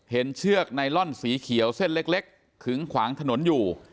เชือกไนลอนสีเขียวเส้นเล็กขึงขวางถนนอยู่